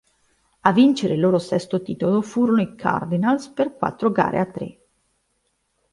A vincere il loro sesto titolo furono i Cardinals per quattro gare a tre.